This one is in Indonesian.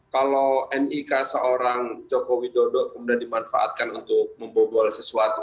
kalau nik seorang joko widodo kemudian dimanfaatkan untuk membobol sesuatu